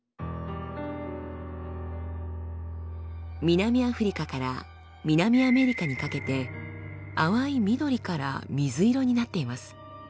南アフリカから南アメリカにかけて淡い緑から水色になっています。